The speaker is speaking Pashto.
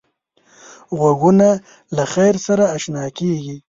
غوږونه له خیر سره اشنا کېږي